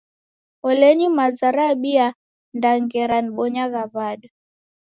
Olenyi maza rabia da ngera nibonyagha w'ada!